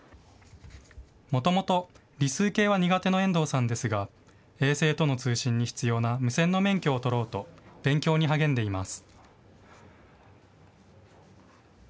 もともと理数系は苦手の遠藤さんですが、衛星との通信に必要な無線の免許を取ろうと、勉強に励んでいます。